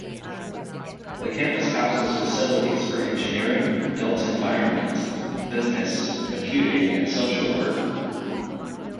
The campus houses facilities for engineering, built environment, business, computing and social work.